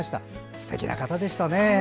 すてきな方でしたね。